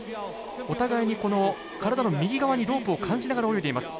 お互いにこの体の右側にロープを感じながら泳いでいます。